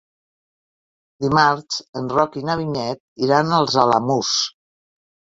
Dimarts en Roc i na Vinyet iran als Alamús.